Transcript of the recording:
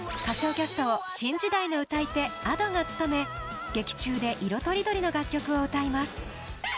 歌唱アシストを新時代の歌い手・Ａｄｏが務め劇中で色とりどりの楽曲を歌います。